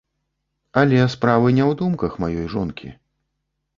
Але справы не ў думках маёй жонкі.